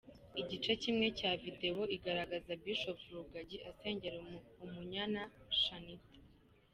Igice kimwe cya video igaragaza Bishop Rugagi asengera Umunyana Shanitah.